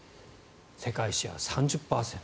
世界シェア３０％。